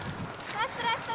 ラストラスト！